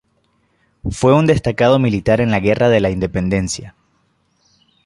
Fue un destacado militar en la Guerra de la Independencia.